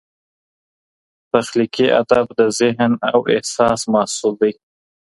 تخلیقي ادب د ذهن او احساس محصول دئ.